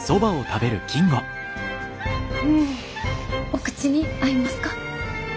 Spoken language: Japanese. お口に合いますか？